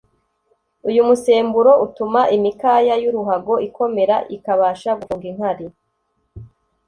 uyu musemburo utuma imikaya y’uruhago ikomera ikabasha gufunga inkari